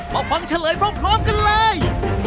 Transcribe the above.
ฟังเฉลยพร้อมกันเลย